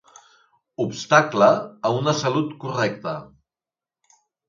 Obstacle a una salut correcta.